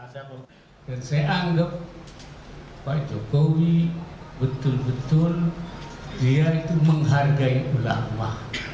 saya anggap pak jokowi betul betul dia itu menghargai ulama